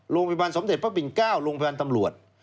โรงพยาบาลสมเด็จพระปิ่น๙โรงพยาบาลตำรวจ